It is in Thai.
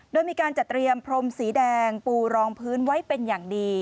โดยมีการจัดเตรียมพรมสีแดงปูรองพื้นไว้เป็นอย่างดี